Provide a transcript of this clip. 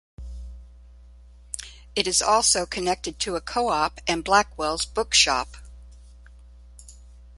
It is also connected to a Co-Op and Blackwells bookshop.